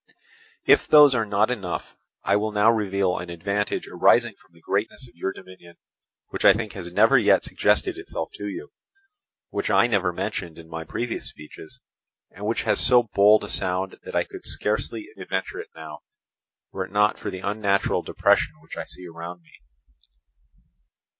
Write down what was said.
If those are not enough, I will now reveal an advantage arising from the greatness of your dominion, which I think has never yet suggested itself to you, which I never mentioned in my previous speeches, and which has so bold a sound that I should scarce adventure it now, were it not for the unnatural depression which I see around me.